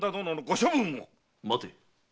待て。